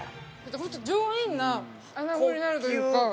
上品なあなごになるというか。